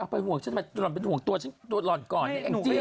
เอาไปห่วงฉันมาห่วงตัวฉันตัวหล่อนก่อนเองจริง